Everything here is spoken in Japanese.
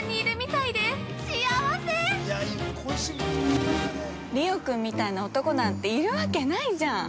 うわぁ◆リオくんみたいな男なんているわけないじゃん。